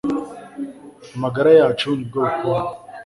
amagara yacu nibwo bukungu